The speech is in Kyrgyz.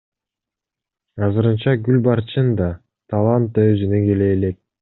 Азырынча Гүлбарчын да, Талант да өзүнө келе элек.